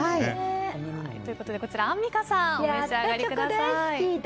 こちらアンミカさんお召し上がりください。